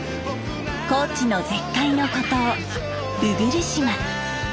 高知の絶海の孤島鵜来島。